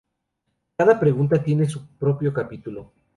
Cada pregunta tiene su propio capítulo.